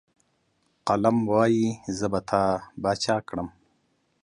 قلم وايي، زه به تا باچا کړم.